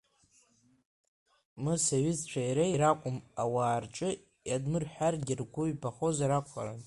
Мыса иҩызцәеи иареи ракәым, ауаа рҿы иадмырҳәаргьы, ргәы ҩбахозар акәхарын.